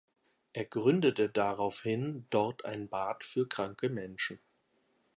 Er gründete daraufhin dort ein Bad für kranke Menschen.